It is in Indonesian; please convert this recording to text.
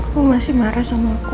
aku masih marah sama aku